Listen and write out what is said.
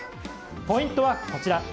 ポイントはこちら。